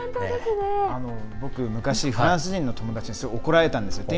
僕昔フランス人の友達に怒られたんです。